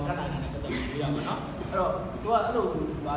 ฉะนั้นว่าวันนี้มันว่าจะแพ้แต่ว่าเราจะเป็นเพื่อนดีกว่า